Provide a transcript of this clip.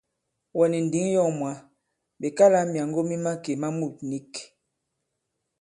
Wɛ̀ nì ǹndǐŋ yɔ̂ŋ mwǎ ɓe kalā myàŋgo mi màkè ma mût nīk.